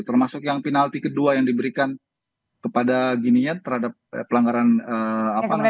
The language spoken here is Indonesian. termasuk yang penalti kedua yang diberikan kepada ginian terhadap pelanggaran apa namanya